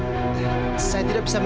tidak ada dumb'saczy